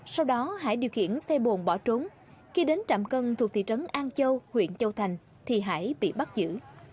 sau đó hải điều khiển xe bồn bỏ trốn khi đến trạm cân thuộc thị trấn an châu huyện châu thành thì hải bị bắt giữ